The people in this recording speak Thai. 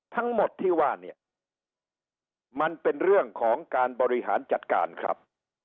ทั้งหมดที่ว่าเนี่ยมันเป็นเรื่องของการบริหารจัดการครับ